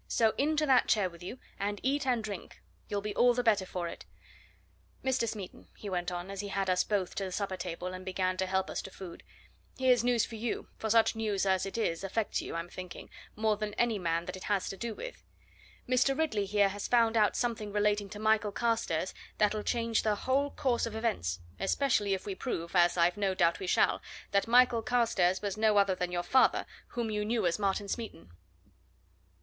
So into that chair with you, and eat and drink you'll be all the better for it. Mr. Smeaton," he went on, as he had us both to the supper table and began to help us to food, "here's news for you for such news as it is affects you, I'm thinking, more than any man that it has to do with. Mr. Ridley here has found out something relating to Michael Carstairs that'll change the whole course of events! especially if we prove, as I've no doubt we shall, that Michael Carstairs was no other than your father, whom you knew as Martin Smeaton."